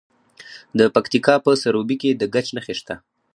د پکتیکا په سروبي کې د ګچ نښې شته.